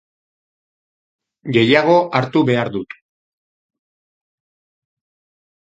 Gehiago hartu behar dut